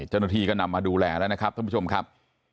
เจ้าหน้าที่ก็นำมาดูแลแล้วนะครับท่านผู้ชมครับ